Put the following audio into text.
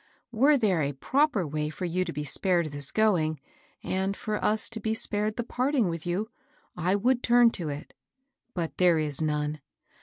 Were there a proper way for you to be spared this going, and for us to be spared the parting with you, I would turn to it. But there is none.